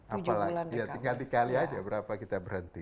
apalagi ya tinggal dikali aja berapa kita berhenti